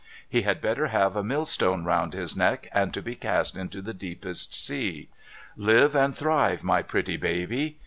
He had better have a millstone round his neck, and be cast into the deepest sea. Live and thrive, my pretty baby